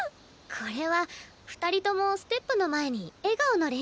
これは二人ともステップの前に笑顔の練習だね。